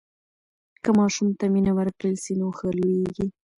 که ماشوم ته مینه ورکړل سي نو ښه لویېږي.